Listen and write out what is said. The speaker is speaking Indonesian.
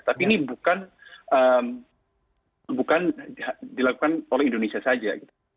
tapi ini bukan dilakukan oleh indonesia saja